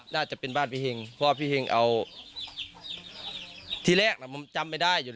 น่าจะเป็นบ้านพี่เห็งเพราะว่าพี่เห็งเอาที่แรกน่ะผมจำไม่ได้อยู่